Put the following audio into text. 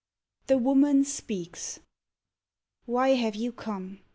THE WOMAN SPEAKS. Why have you come?